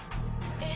えっ。